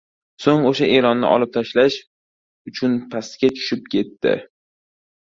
Soʻng oʻsha eʼlonni olib tashlash uchun pastga tushib ketdi.